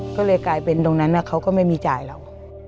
ก็เลยกลายเป็นตรงนั้นเขาก็ไม่มีจ่ายเรา